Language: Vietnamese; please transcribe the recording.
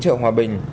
chợ hòa bình